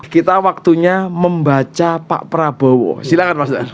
kita waktunya membaca pak prabowo silahkan mas